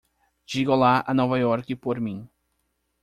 Diga olá a Nova York por mim.